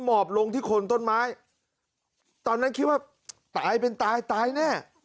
หมอบลงที่คนต้นไม้ตอนนั้นคิดว่าตายเป็นตายตายแน่